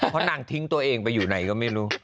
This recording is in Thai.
เพราะนางทิ้งตัวเองไปอยู่ไหนก็ไม่รู้